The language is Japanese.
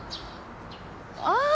ああ！